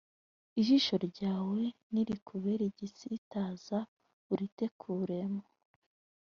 ijisho ryawe nirikubera igisitaza urite kuremo.